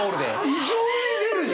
異常に出るよ！